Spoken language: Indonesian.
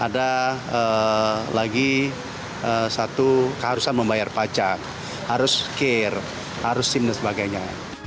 ada lagi satu keharusan membayar pajak harus care harus sim dan sebagainya